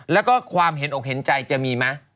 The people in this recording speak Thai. แล้วก็ความเห็นอกเห็นใจจะมีไหม